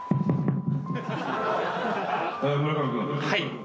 はい。